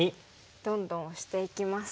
どんどんオシていきます。